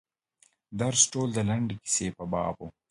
درس ټول د لنډې کیسې په باب و.